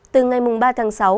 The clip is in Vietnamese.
từ ngày ba tháng sáu